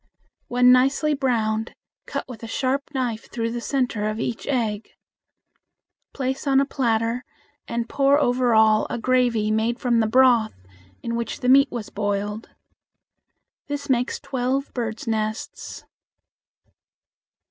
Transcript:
When nicely browned, cut with a sharp knife through the center of each egg. Place on a platter, and pour over all a gravy made from the broth in which the meat was boiled. This makes twelve birds' nests.